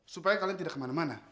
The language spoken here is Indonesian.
supaya kalian tidak kemana mana